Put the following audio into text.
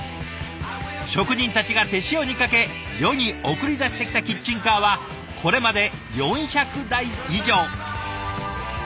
職人たちが手塩にかけ世に送り出してきたキッチンカーはこれまで４００台以上。